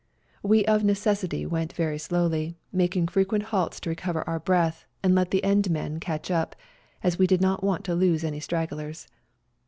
We of necessity went very slowly, making fre quent halts to recover our breath and let the end men catch up, as we did not want to lose any stragglers.